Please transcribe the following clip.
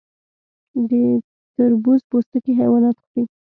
د تربوز پوستکي حیوانات خوري.